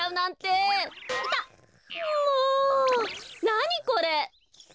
なにこれ！？